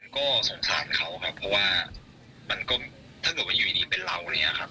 ก็สงสารเขาครับเพราะว่ามันก็ถ้าเกิดว่าอยู่ดีเป็นเราอะไรอย่างนี้ครับ